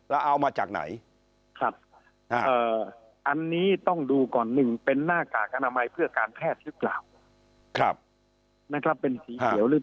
แล้วเอามาจากไหนครับเอ่ออันนี้ต้องดู